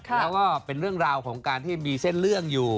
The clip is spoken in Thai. แล้วก็เป็นเรื่องราวของการที่มีเส้นเรื่องอยู่